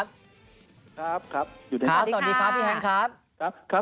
สวัสดีครับพี่แฮงครับ